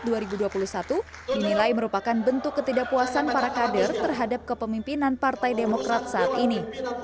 dinilai merupakan bentuk ketidakpuasan para kader terhadap kepemimpinan partai demokrat saat ini